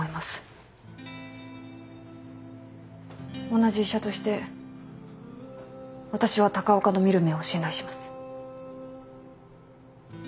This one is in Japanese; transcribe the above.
同じ医者として私は高岡の見る目を信頼します。